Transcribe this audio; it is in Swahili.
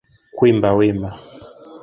Kwimba wima